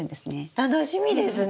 楽しみですね！